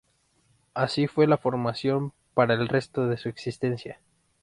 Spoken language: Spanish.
Así fue la formación para el resto de su existencia.